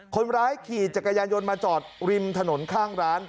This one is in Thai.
คนร้ายขี่จักรยานยนต์มาจอดริมถนนข้างร้าน